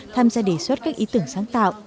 tham gia đề xuất các ý tưởng sáng tạo